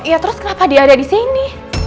iya terus kenapa dia ada di sini